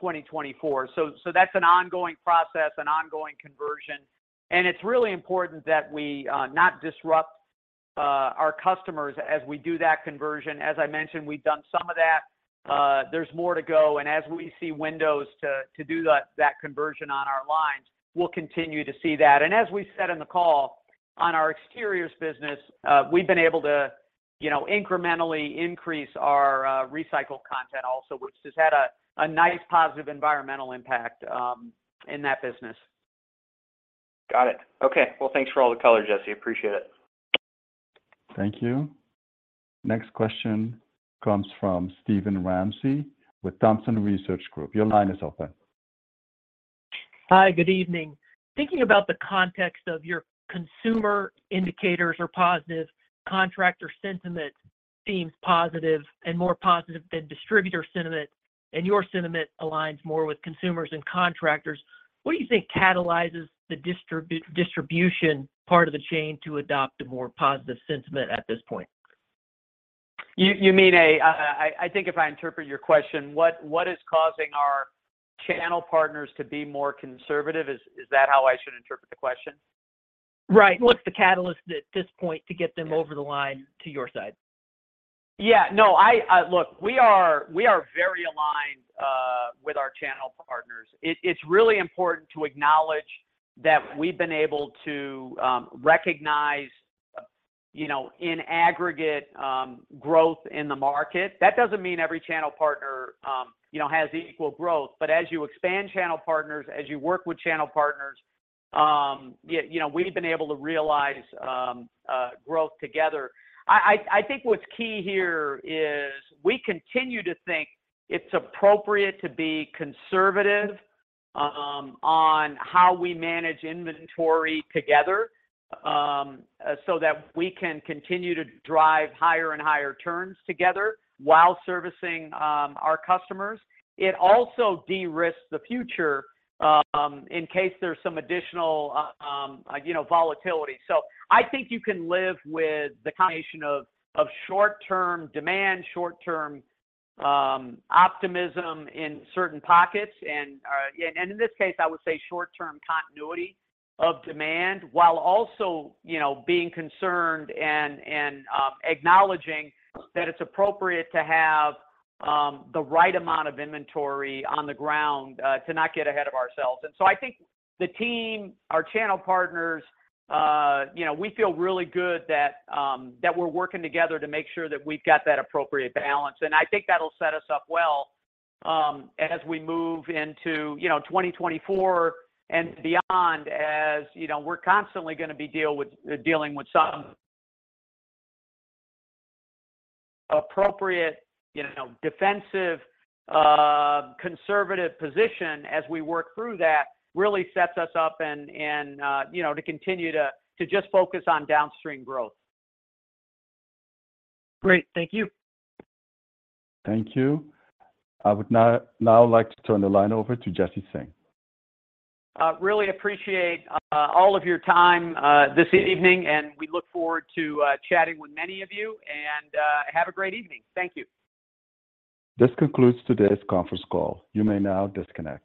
2024. That's an ongoing process, an ongoing conversion, and it's really important that we not disrupt our customers as we do that conversion. As I mentioned, we've done some of that. There's more to go, and as we see windows to do that conversion on our lines, we'll continue to see that. As we said in the call, on our exteriors business, we've been able to, you know, incrementally increase our recycled content also, which has had a nice positive environmental impact in that business. Got it. Okay, well, thanks for all the color, Jesse. Appreciate it. Thank you. Next question comes from Steven Ramsey with Thompson Research Group. Your line is open. Hi, good evening. Thinking about the context of your consumer indicators are positive, contractor sentiment seems positive and more positive than distributor sentiment, and your sentiment aligns more with consumers and contractors. What do you think catalyzes the distribution part of the chain to adopt a more positive sentiment at this point? You mean I think if I interpret your question, what is causing our channel partners to be more conservative? Is that how I should interpret the question? Right. What's the catalyst at this point to get them over the line to your side? Yeah. No, I look, we are very aligned with our channel partners. It's really important to acknowledge that we've been able to recognize, you know, in aggregate, growth in the market. That doesn't mean every channel partner, you know, has equal growth, but as you expand channel partners, as you work with channel partners, you know, we've been able to realize growth together. I think what's key here is we continue to think it's appropriate to be conservative on how we manage inventory together so that we can continue to drive higher and higher turns together while servicing our customers. It also de-risks the future in case there's some additional, you know, volatility. I think you can live with the combination of short-term demand, short-term, optimism in certain pockets, and, and in this case, I would say short-term continuity of demand, while also, you know, being concerned and, acknowledging that it's appropriate to have the right amount of inventory on the ground, to not get ahead of ourselves. I think the team, our channel partners, you know, we feel really good that we're working together to make sure that we've got that appropriate balance. I think that'll set us up well, as we move into, you know, 2024 and beyond, as you know, we're constantly gonna be dealing with some appropriate, you know, defensive, conservative position as we work through that, really sets us up and, you know, to continue to, to just focus on downstream growth. Great. Thank you. Thank you. I would now like to turn the line over to Jesse Singh. Really appreciate all of your time this evening, and we look forward to chatting with many of you, and have a great evening. Thank you. This concludes today's conference call. You may now disconnect.